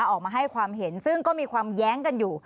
ออกมาให้ความเห็นซึ่งก็มีความแย้งกันอยู่